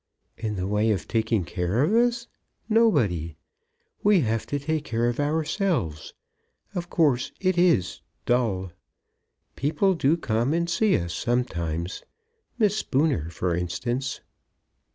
"In the way of taking care of us? Nobody! We have to take care of ourselves. Of course it is dull. People do come and see us sometimes. Miss Spooner, for instance."